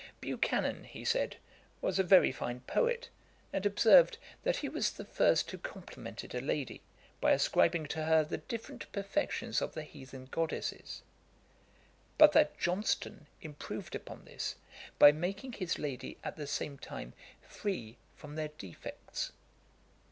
Buchanan, he said, was a very fine poet; and observed, that he was the first who complimented a lady, by ascribing to her the different perfections of the heathen goddesses; but that Johnston improved upon this, by making his lady, at the same time, free from their defects.